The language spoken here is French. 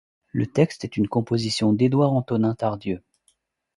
Le texte est une composition d'Édouard Antonin Tardieu.